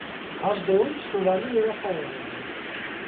Հաշդեուն շնորհալի երեխա է եղել։